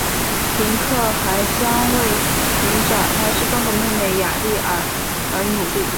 林克还将为寻找他失踪的妹妹雅丽儿而努力。